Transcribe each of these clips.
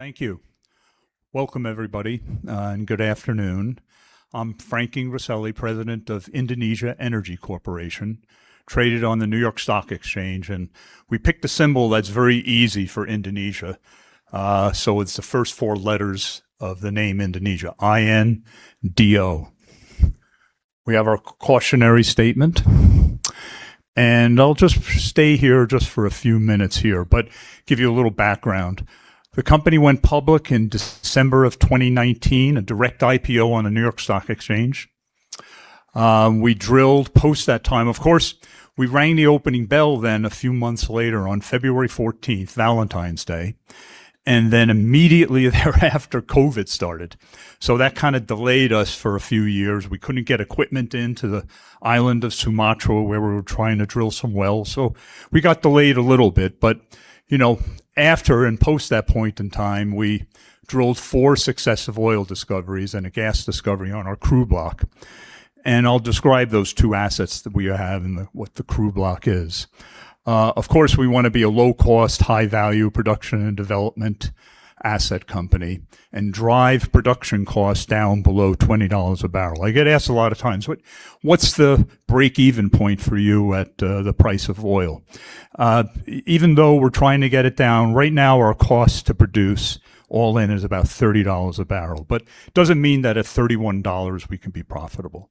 Thank you. Welcome everybody, and good afternoon. I'm Frank Ingriselli, President of Indonesia Energy Corporation, traded on the New York Stock Exchange. We picked a symbol that's very easy for Indonesia. It's the first four letters of the name Indonesia, I-N-D-O. We have our cautionary statement. I'll just stay here just for a few minutes here, but give you a little background. The company went public in December of 2019, a direct IPO on a New York Stock Exchange. We drilled post that time. Of course, we rang the opening bell then a few months later on February 14th, Valentine's Day, and immediately thereafter COVID started. That kind of delayed us for a few years. We couldn't get equipment into the island of Sumatra, where we were trying to drill some wells. We got delayed a little bit. After and post that point in time, we drilled 4 successive oil discoveries and a gas discovery on our Kruh Block. I'll describe those two assets that we have and what the Kruh Block is. Of course, we want to be a low-cost, high-value production and development asset company and drive production costs down below $20 a barrel. I get asked a lot of times, What's the break-even point for you at the price of oil? Even though we're trying to get it down, right now our cost to produce all-in is about $30 a barrel. Doesn't mean that at $31 we can be profitable.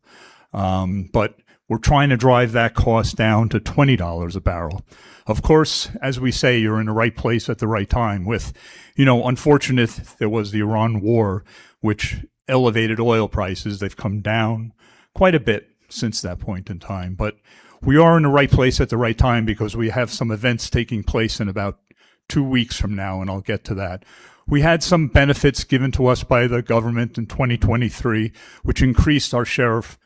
We're trying to drive that cost down to $20 a barrel. Of course, as we say, you're in the right place at the right time. With unfortunate, there was the Iran war, which elevated oil prices. They've come down quite a bit since that point in time. We are in the right place at the right time because we have some events taking place in about two weeks from now, and I'll get to that. We had some benefits given to us by the government in 2023, which increased our share of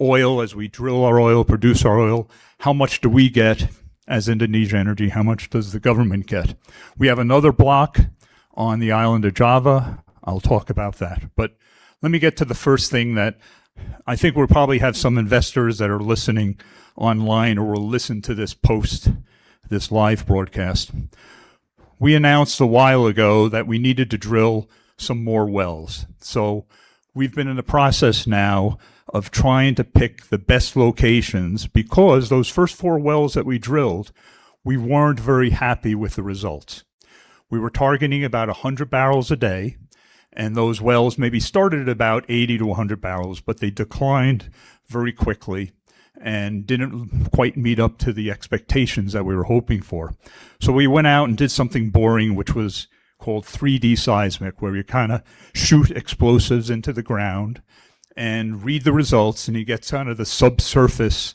oil. As we drill our oil, produce our oil, how much do we get as Indonesia Energy? How much does the government get? We have another block on the island of Java. I'll talk about that. Let me get to the first thing that I think we'll probably have some investors that are listening online or will listen to this post, this live broadcast. We announced a while ago that we needed to drill some more wells. We've been in the process now of trying to pick the best locations because those first four wells that we drilled, we weren't very happy with the results. We were targeting about 100 barrels a day, and those wells maybe started at about 80-100 barrels, but they declined very quickly and didn't quite meet up to the expectations that we were hoping for. We went out and did something boring, which was called 3D seismic, where you kind of shoot explosives into the ground and read the results, and you get the subsurface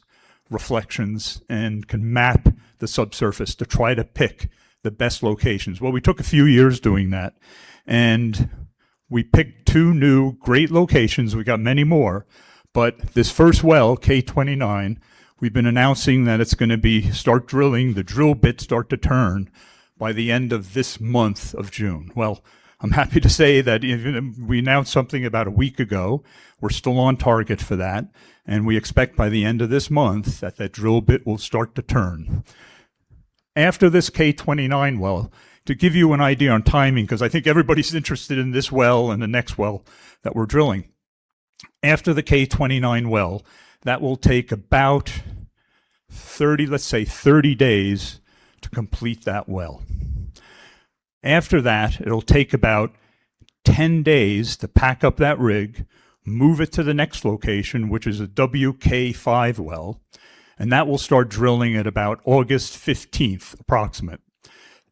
reflections and can map the subsurface to try to pick the best locations. We took a few years doing that, and we picked two new great locations. We got many more, but this first well, K-29, we've been announcing that it's going to be start drilling. The drill bits start to turn by the end of this month of June. I am happy to say that we announced something about a week ago. We are still on target for that, and we expect by the end of this month that that drill bit will start to turn. After this K-29 well, to give you an idea on timing, because I think everybody is interested in this well and the next well that we are drilling. After the K-29 well, that will take about, let us say, 30 days to complete that well. After that, it will take about 10 days to pack up that rig, move it to the next location, which is a WK-5 well, and that will start drilling at about August 15th, approximate.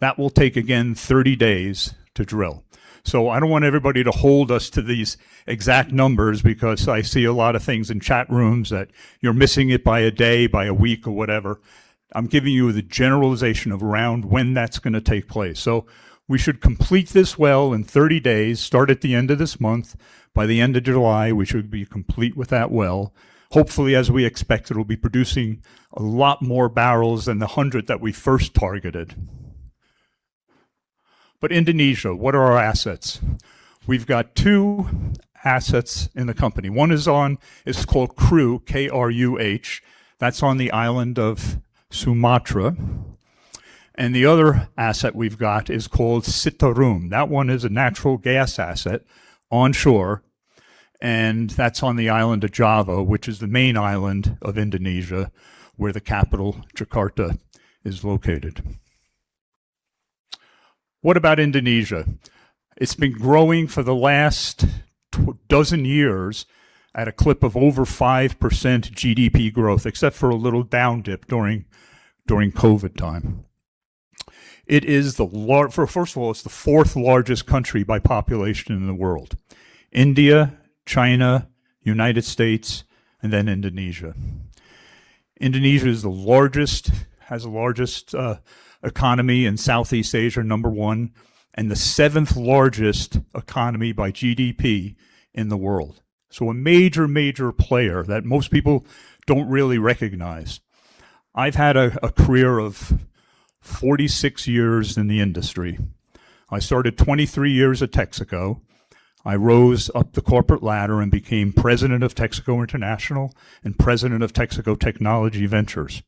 That will take, again, 30 days to drill. I do not want everybody to hold us to these exact numbers because I see a lot of things in chat rooms that you are missing it by a day, by a week, or whatever. I am giving you the generalization of around when that is going to take place. We should complete this well in 30 days. Start at the end of this month. By the end of July, we should be complete with that well. Hopefully, as we expect, it will be producing a lot more barrels than the 100 that we first targeted. Indonesia, what are our assets? We have got two assets in the company. One is called Kruh, K-R-U-H. That is on the island of Sumatra. The other asset we have got is called Citarum. That one is a natural gas asset onshore, and that is on the island of Java, which is the main island of Indonesia, where the capital, Jakarta, is located. What about Indonesia? It has been growing for the last dozen years at a clip of over 5% GDP growth, except for a little down dip during COVID time. First of all, it is the fourth largest country by population in the world. India, China, United States, then Indonesia. Indonesia has the largest economy in Southeast Asia, number one, and the seventh largest economy by GDP in the world. A major player that most people do not really recognize. I have had a career of 46 years in the industry. I started 23 years at Texaco. I rose up the corporate ladder and became president of Texaco International and president of Texaco Technology Ventures.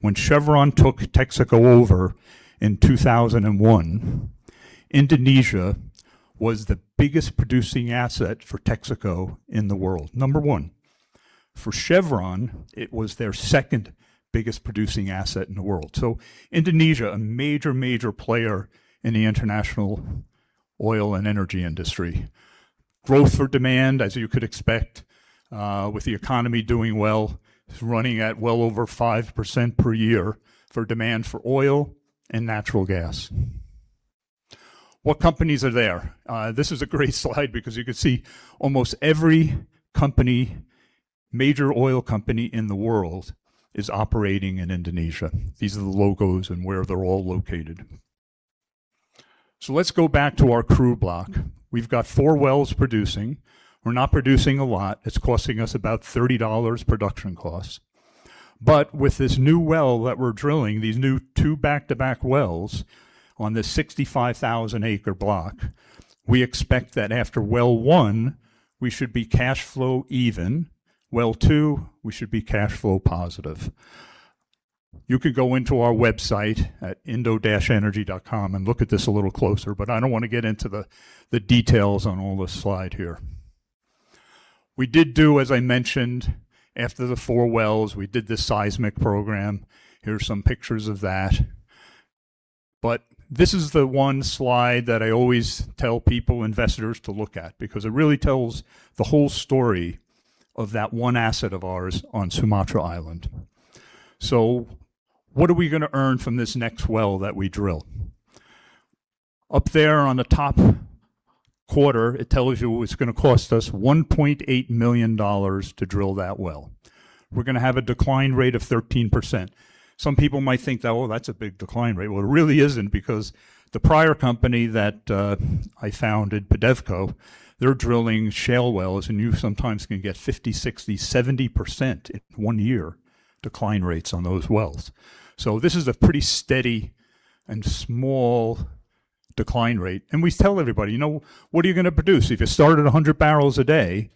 When Chevron took Texaco over in 2001, Indonesia was the biggest producing asset for Texaco in the world. Number one. For Chevron, it was their second-biggest producing asset in the world. Indonesia, a major player in the international oil and energy industry. Growth or demand, as you could expect, with the economy doing well, it is running at well over 5% per year for demand for oil and natural gas. What companies are there? This is a great slide because you can see almost every major oil company in the world is operating in Indonesia. These are the logos and where they are all located. Let us go back to our Kruh Block. We have got four wells producing. We are not producing a lot. It is costing us about $30 production costs. With this new well that we're drilling, these new two back-to-back wells on this 65,000-acre block, we expect that after well one, we should be cash flow even. Well two, we should be cash flow positive. You could go into our website at indo-energy.com and look at this a little closer, I don't want to get into the details on all this slide here. We did do, as I mentioned, after the four wells, we did this seismic program. Here are some pictures of that. This is the one slide that I always tell people, investors to look at because it really tells the whole story of that one asset of ours on Sumatra Island. What are we going to earn from this next well that we drill? Up there on the top quarter, it tells you it's going to cost us $1.8 million to drill that well. We're going to have a decline rate of 13%. Some people might think that, Oh, that's a big decline rate. Well, it really isn't because the prior company that I founded, PEDEVCO, they're drilling shale wells, and you sometimes can get 50%, 60%, 70% in one year decline rates on those wells. This is a pretty steady and small decline rate. We tell everybody, What are you going to produce? If you start at 100 barrels a day,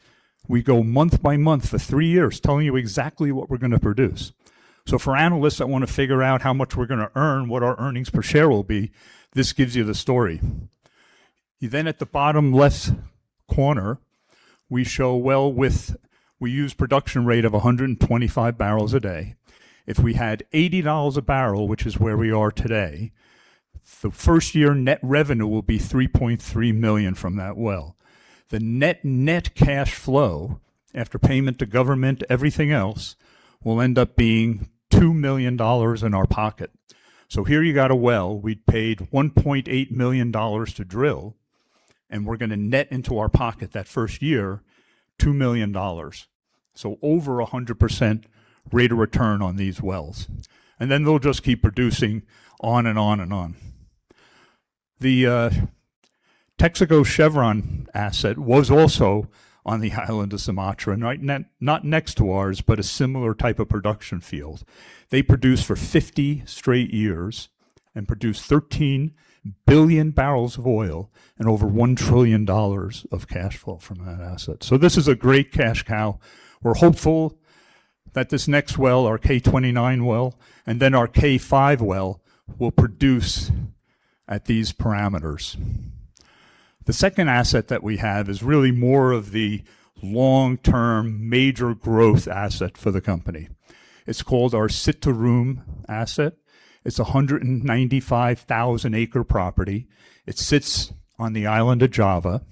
we go month by month for three years telling you exactly what we're going to produce. For analysts that want to figure out how much we're going to earn, what our earnings per share will be, this gives you the story. At the bottom-left corner, we use production rate of 125 barrels a day. If we had $80 a barrel, which is where we are today, the first-year net revenue will be $3.3 million from that well. The net cash flow after payment to government, everything else, will end up being $2 million in our pocket. Here you got a well, we paid $1.8 million to drill, and we're going to net into our pocket that first year, $2 million. Over 100% rate of return on these wells. Then they'll just keep producing on and on. The Texaco Chevron asset was also on the island of Sumatra, not next to ours, but a similar type of production field. They produced for 50 straight years and produced 13 billion barrels of oil and over $1 trillion of cash flow from that asset. This is a great cash cow. We're hopeful that this next well, our K-29 well, and then our WK-5 well, will produce at these parameters. The second asset that we have is really more of the long-term major growth asset for the company. It's called our Citarum asset. It's 195,000-acre property. It sits on the island of Java,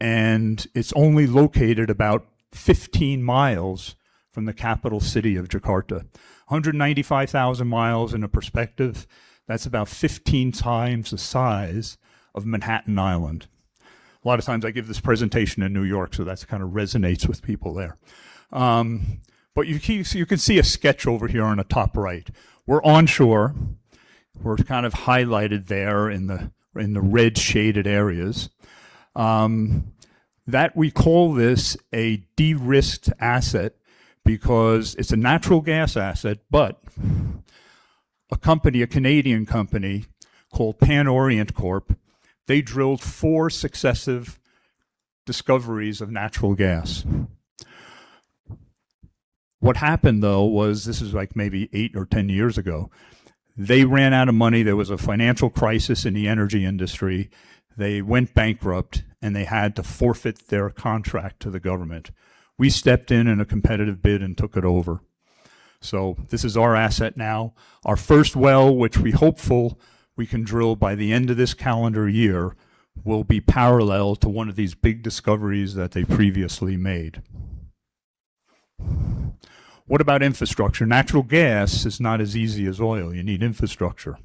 and it's only located about 15 miles from the capital city of Jakarta. 195,000 miles in a perspective, that's about 15 times the size of Manhattan Island. A lot of times I give this presentation in New York, that kind of resonates with people there. You can see a sketch over here on the top right. We're onshore. We're kind of highlighted there in the red shaded areas. We call this a de-risked asset because it is a natural gas asset, but a company, a Canadian company called Pan Orient Corp., they drilled four successive discoveries of natural gas. What happened, though, was, this is maybe eight or 10 years ago, they ran out of money. There was a financial crisis in the energy industry. They went bankrupt, and they had to forfeit their contract to the government. We stepped in in a competitive bid and took it over. This is our asset now. Our first well, which we are hopeful we can drill by the end of this calendar year, will be parallel to one of these big discoveries that they previously made. What about infrastructure? Natural gas is not as easy as oil. You need infrastructure.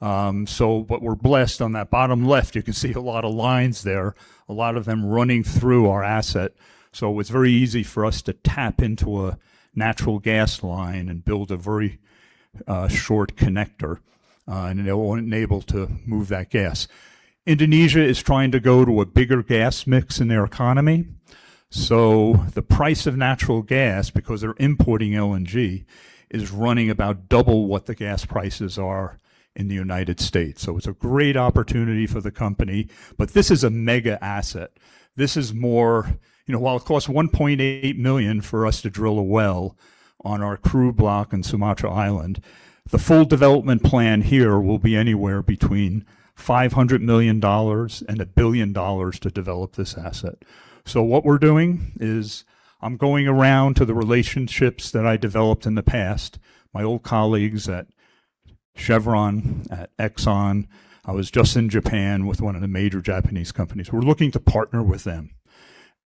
What we are blessed on that bottom left, you can see a lot of lines there, a lot of them running through our asset. It is very easy for us to tap into a natural gas line and build a very short connector and enable to move that gas. Indonesia is trying to go to a bigger gas mix in their economy. The price of natural gas, because they are importing LNG, is running about double what the gas prices are in the U.S. It is a great opportunity for the company, but this is a mega asset. While it costs $1.8 million for us to drill a well on our Kruh Block in Sumatra Island, the full development plan here will be anywhere between $500 million and $1 billion to develop this asset. What we are doing is I am going around to the relationships that I developed in the past, my old colleagues at Chevron, at Exxon. I was just in Japan with one of the major Japanese companies. We are looking to partner with them,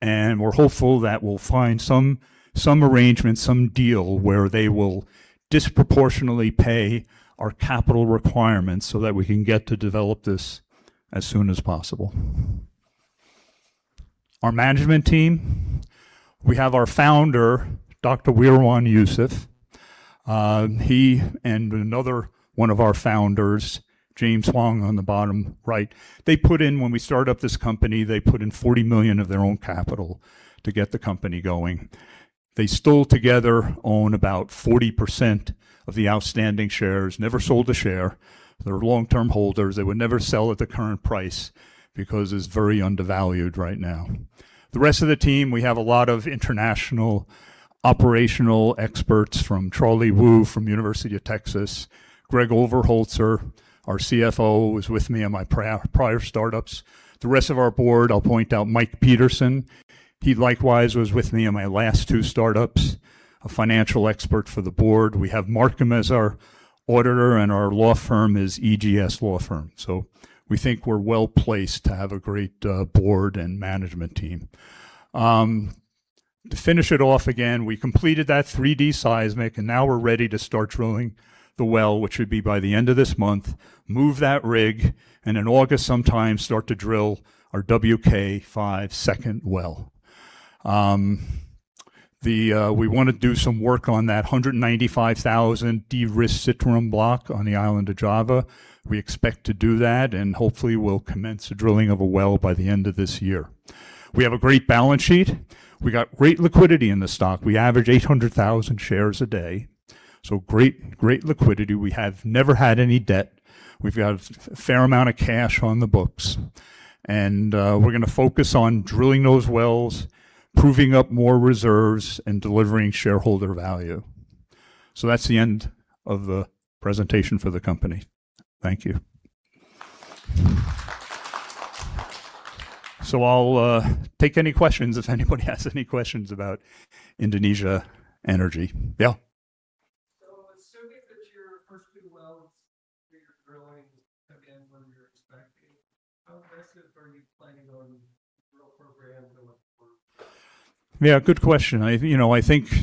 and we are hopeful that we will find some arrangement, some deal where they will disproportionately pay our capital requirements so that we can get to develop this as soon as possible. Our management team, we have our founder, Dr. Wirawan Jusuf. He and another one of our founders, James Huang, on the bottom right. When we started up this company, they put in $40 million of their own capital to get the company going. They still together own about 40% of the outstanding shares, never sold a share. They are long-term holders. They would never sell at the current price because it is very undervalued right now. The rest of the team, we have a lot of international operational experts from Charlie Wu from University of Texas. Greg Overholtzer, our CFO, was with me on my prior startups. The rest of our board, I will point out Mike Peterson. He likewise was with me on my last two startups, a financial expert for the board. We have Marcum as our auditor, and our law firm is EGS Law Firm. We think we are well-placed to have a great board and management team. To finish it off again, we completed that 3D seismic, and now we are ready to start drilling the well, which would be by the end of this month, move that rig, and in August sometime, start to drill our WK-5 second well. We want to do some work on that 195,000 de-risked Citarum Block on the island of Java. Hopefully, we'll commence the drilling of a well by the end of this year. We have a great balance sheet. We got great liquidity in the stock. We average 800,000 shares a day. Great liquidity. We have never had any debt. We've got a fair amount of cash on the books, and we're going to focus on drilling those wells, proving up more reserves, and delivering shareholder value. That's the end of the presentation for the company. Thank you. I'll take any questions if anybody has any questions about Indonesia Energy. Yeah. Assuming that your first two wells that you're drilling come in when you're expecting, how aggressive are you planning on drill programs and what-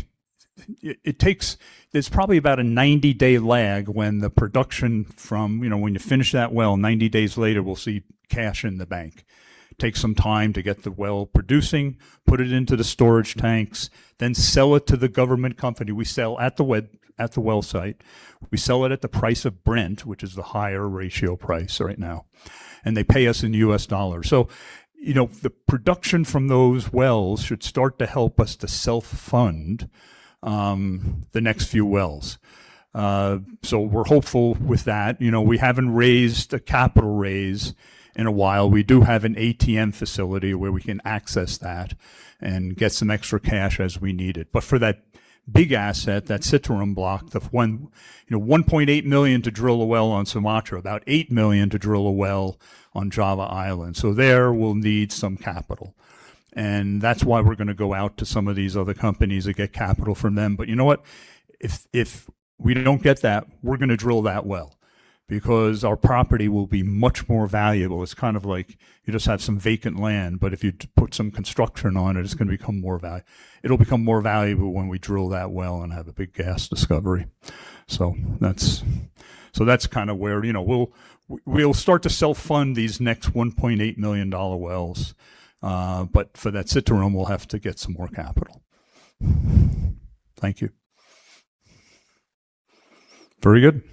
Yeah, good question. There's probably about a 90-day lag when the production from-- When you finish that well, 90 days later, we'll see cash in the bank. Takes some time to get the well producing, put it into the storage tanks, then sell it to the government company. We sell at the well site. We sell it at the price of Brent, which is the higher ratio price right now, and they pay us in US dollars. The production from those wells should start to help us to self-fund the next few wells. We're hopeful with that. We haven't raised a capital raise in a while. We do have an ATM facility where we can access that and get some extra cash as we need it. For that big asset, that Citarum Block, the $1.8 million to drill a well on Sumatra, about $8 million to drill a well on Java Island. There, we'll need some capital, and that's why we're going to go out to some of these other companies and get capital from them. You know what? If we don't get that, we're going to drill that well because our property will be much more valuable. It's kind of like you just have some vacant land, if you put some construction on it'll become more valuable when we drill that well and have a big gas discovery. That's kind of where we'll start to self-fund these next $1.8 million wells. For that Citarum, we'll have to get some more capital. Thank you. Very good